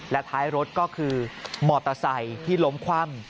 และท้ายรถก็คือมอเตอร์ไซค์ที่ล้มคว่ำ